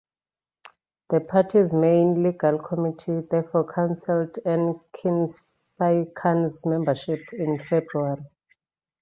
The Party's Main Legal Committee therefore canceled Enkhsaikhan's membership in February.